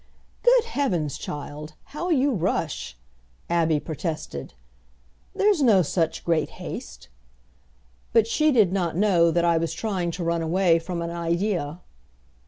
"Good Heavens, child, how you rush!" Abby protested. "There's no such great haste." But she did not know that I was trying to run away from an idea.